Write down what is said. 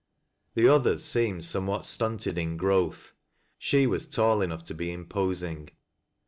The others seemed somewhat stunted in growth ; she was tall enough to be imposing.